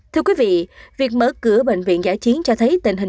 thưa quý vị việc mở cửa bệnh viện giã chiến cho thấy tình hình